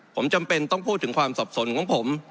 ผมจำเป็นต้องพูดถึงความสับสนของผม